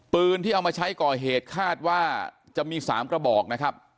ปืนที่เอามาใช้ก่อเหตุคาดว่าจะมี๓กระบอกนะครับ